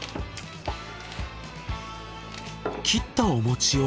切ったお餅を。